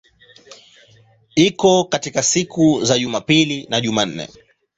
Iko kati ya siku za Jumapili na Jumanne.